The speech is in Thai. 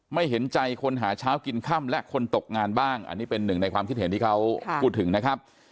เห็นใจคนหาเช้ากินค่ำและคนตกงานบ้างอันนี้เป็นหนึ่งในความคิดเห็นที่เขาพูดถึงนะครับ